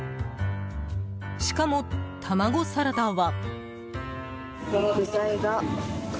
しかも、卵サラダは。